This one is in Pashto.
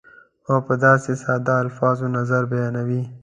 او په داسې ساده الفاظو نظر بیانوي